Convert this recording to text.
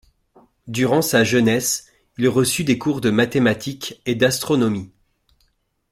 Durant sa jeunesse, il reçut des cours de mathématiques et d'astronomie.